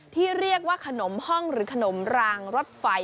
ที่เรียกว่าขนมห้องหรือขนมรางรถไฟ